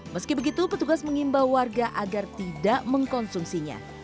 meski begitu petugas mengimbau warga agar tidak mengkonsumsinya